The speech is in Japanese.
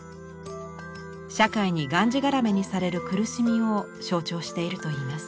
社会にがんじがらめにされる苦しみを象徴しているといいます。